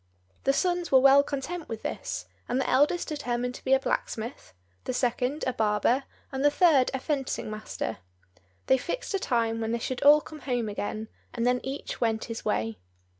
The sons were well content with this, and the eldest determined to be a blacksmith, the second a barber, and the third a fencing master. They fixed a time when they should all come home again, and then each went his way.